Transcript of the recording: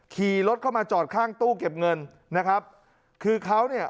ขี่รถเข้ามาจอดข้างตู้เก็บเงินนะครับคือเขาเนี่ย